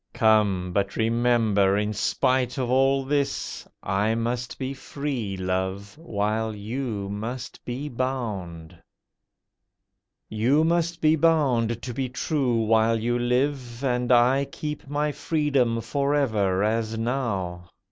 Come! but remember, in spite of all this, I must be free, Love, while you must be bound. You must be bound to be true while you live, And I keep my freedom for ever, as now.